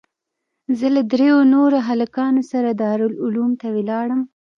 زه له درېو نورو هلکانو سره دارالعلوم ته ولاړم.